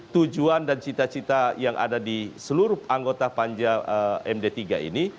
tujuan dan cita cita yang ada di seluruh anggota panja md tiga ini